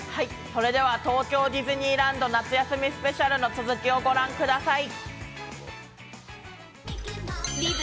東京ディズニーランド夏休みスペシャルの続きを御覧ください。